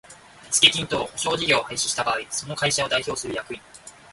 手付金等保証事業を廃止した場合その会社を代表する役員